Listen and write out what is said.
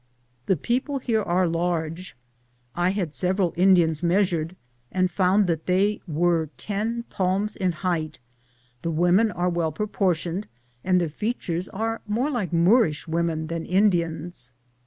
The people here are large. I had several Indians measured, and found that they were 10 palms in height; the women are well proportioned and their features are more like Moorish women than Indians.